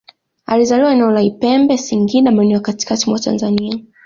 Alizaliwa eneo la Ipembe Singida maeneo ya katikati mwa Tanzania